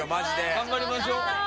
頑張りましょう。